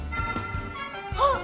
あっ！